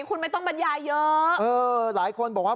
คุณไม่ต้องบัญญาเยอะอ่ะหลายคนบอกว่า